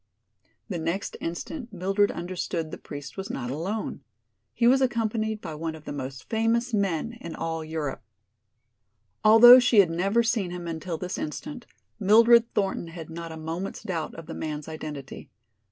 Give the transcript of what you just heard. The next instant Mildred understood the priest was not alone. He was accompanied by one of the most famous men in all Europe. Although she had never seen him until this instant, Mildred Thornton had not a moment's doubt of the man's identity.